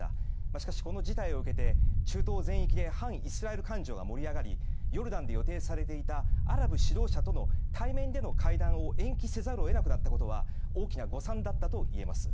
しかし、この事態を受けて中東全域で反イスラエル感情が盛り上がりヨルダンで予定されていたアラブ指導者との対面での会談を延期せざるを得なくなったことは大きな誤算だったといえます。